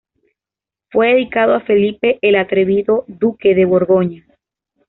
Fue dedicado a Felipe el Atrevido, duque de Borgoña.